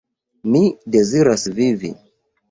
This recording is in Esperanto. Mi deziras vivi.